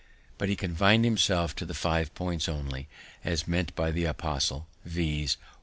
But he confin'd himself to five points only, as meant by the apostle, viz.